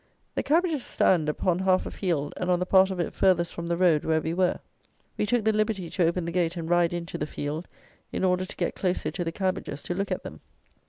The cabbages stand upon half a field and on the part of it furthest from the road where we were. We took the liberty to open the gate and ride into the field, in order to get closer to the cabbages to look at them.